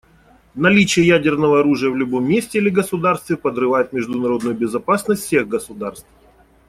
Наличие ядерного оружия в любом месте или государстве подрывает международную безопасность всех государств.